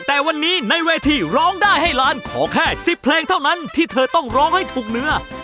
แต่วันนี้ในเวทีร้องได้ให้ล้านขอแค่๑๐เพลงเท่านั้นที่เธอต้องร้องให้ถูกเนื้อ